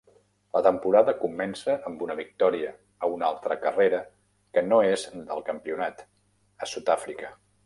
La temporada comença amb una victòria a una altra carrera que no és del campionat, a Sudàfrica.